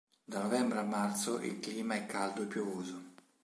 Da novembre a marzo il clima è caldo e piovoso.